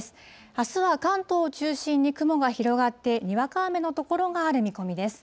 あすは関東を中心に雲が広がって、にわか雨の所がある見込みです。